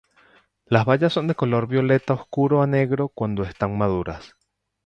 Las bayas son de color violeta oscuro a negro cuando están maduras.